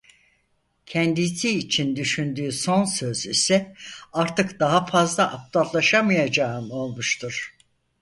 Kendisi için düşündüğü son söz ise "Artık daha fazla aptallaşamayacağım" olmuştur.